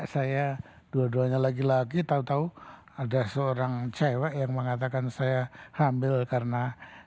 karena saya dua duanya laki laki tau tau ada seorang cewek yang mengatakan saya hamil karena